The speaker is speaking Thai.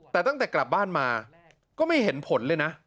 แต่ตั้งแต่กลับบ้านมาก็ไม่เห็นผลเลยนะ